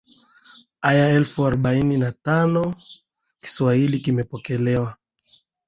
aya elfu arobaini na tano Kiswahili kimepokelewa